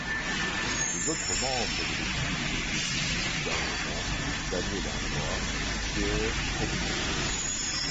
Les autres membres de l'équipe étaient Philippe Bergeron, Daniel Langlois et Pierre Robidoux.